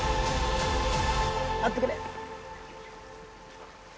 あってくれ！